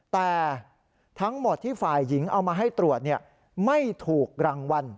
แต่ทั้งหมดที่ฝ่ายหญิงเอามาให้ตรวจไม่ถูกรางวัล